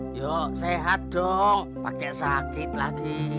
dioksehat dong paket sakit lagi